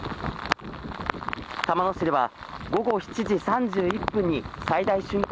玉野市では午後７時３１分に最大瞬間